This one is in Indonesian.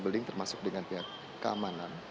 bulling termasuk dengan pihak keamanan